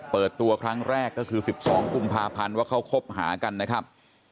เปิดตัวครั้งแรกก็คือ๑๒กุมภาพันธ์ว่าเขาคบหากันนะครับ